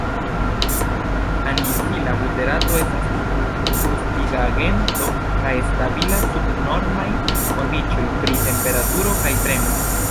Anizila buterato estas gustigagento kaj stabila sub normaj kondiĉoj pri temperaturo kaj premo.